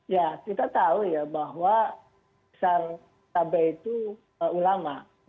ya kita tahu ya bahwa pesan pkb itu ulama